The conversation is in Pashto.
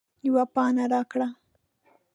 یوه پاڼه راکړه